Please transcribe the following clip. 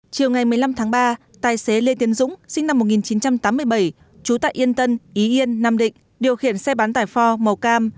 chiều ngày một mươi năm tháng ba tài xế lê tiến dũng sinh năm một nghìn chín trăm tám mươi bảy trú tại yên tân ý yên nam định điều khiển xe bán tải for màu cam